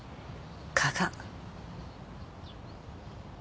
蚊が。